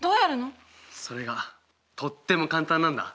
それがとっても簡単なんだ。